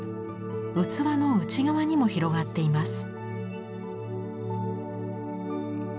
器の内側にも広がっています。